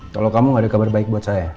tolong kamu gak ada kabar baik buat saya